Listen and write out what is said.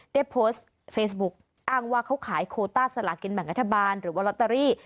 ได้โพสต์เฟซบุ๊กอ้างว่าเขาขายโคต้าสลากินแบ่งรัฐบาลหรือว่าลอตเตอรี่